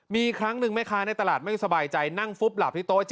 มีครั้งหนึ่งแม่ค้าในตลาดไม่สบายใจนั่งฟุบหลับที่โต๊ะ